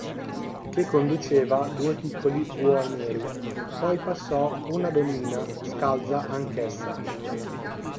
Che conduceva due piccoli buoi neri: poi passò una donnina, scalza anch'essa.